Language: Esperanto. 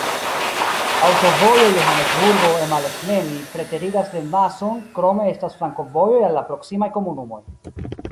Aŭtovojo Johanesburgo-Emalahleni preteriras Delmas-on, krome estas flankovojoj al la proksimaj komunumoj.